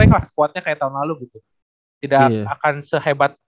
apalagi indonesia patriot juga kalau gue lihat tidak terlalu menter